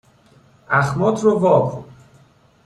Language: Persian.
اخمات رو وا کن